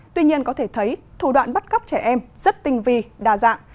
tuy nhiên có thể thấy thủ đoạn bắt cóc trẻ em rất tinh vi đa dạng